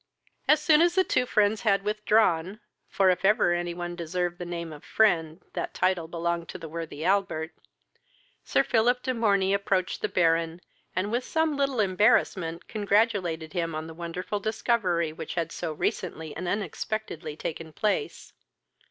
As soon as the two friends had withdrawn, (for, if ever any one deserved the name of friend, that title belonged to the worthy Albert,) Sir Philip de Morney approached the Baron, and with some little embarrassment congratulated him on the wonderful discovery which had so recently and unexpectedly taken place.